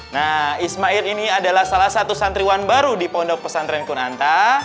nah ismail ini adalah salah satu santriwan baru di pondok pesantren kunanta